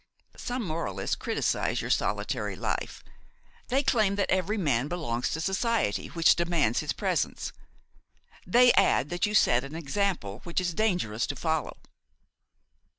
"Some moralists criticise your solitary life; they claim that every man belongs to society, which demands his presence. They add that you set an example which it is dangerous to follow."